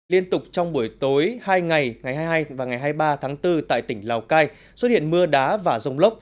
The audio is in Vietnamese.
liên tục trong buổi tối hai ngày ngày hai mươi hai và ngày hai mươi ba tháng bốn tại tỉnh lào cai xuất hiện mưa đá và rông lốc